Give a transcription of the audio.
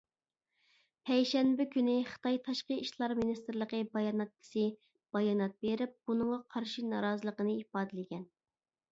پەيشەنبە كۈنى خىتاي تاشقى ئىشلار مىنىستىرلىقى باياناتچىسى بايانات بېرىپ بۇنىڭغا قارشى نارازىلىقىنى ئىپادىلىگەن.